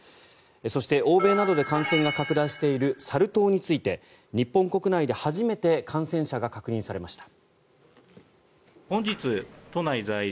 そして、欧米などで感染が拡大しているサル痘について日本国内で初めて感染者が確認されました。